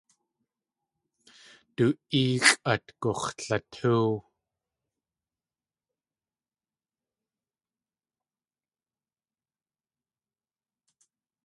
Du éexʼ at gux̲latóow.